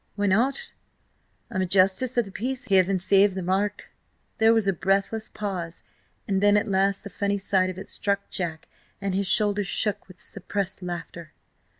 "Why not? I'm a Justice of the Peace, heaven save the mark!" There was a breathless pause, and then at last the funny side of it struck Jack, and his shoulders shook with suppressed laughter.